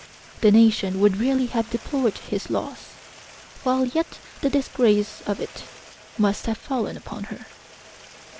The nation would really have deplored his loss, while yet the disgrace of it must have fallen upon her.